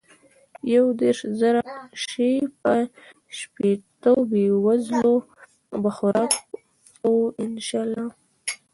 چې ديرش زره شي په شپيتو بې وزلو به خوراک کو ان شاء الله.